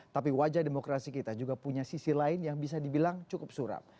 tapi wajah demokrasi kita juga punya sisi lain yang bisa dibilang cukup suram